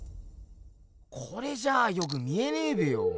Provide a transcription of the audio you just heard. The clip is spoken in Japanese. これじゃあよく見えねえべよ。